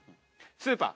スーパー。